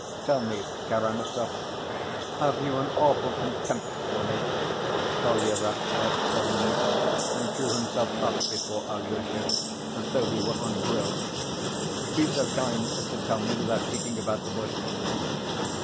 "Tell me, Karamazov, have you an awful contempt for me?" Kolya rapped out suddenly and drew himself up before Alyosha, as though he were on drill. "Be so kind as to tell me, without beating about the bush."